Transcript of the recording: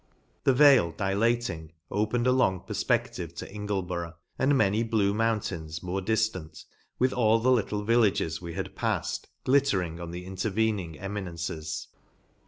The vale, dilating, opened a long perfpedive to Ingleborough many blue mountains more diftant, with 202 ENGLAND. with all the little villages we had pafTed, glittering on the intervening eminences.